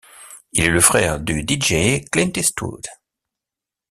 Il est le frère du deejay Clint Eastwood.